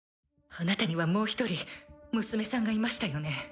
あなたにはもう一人娘さんがいましたよね？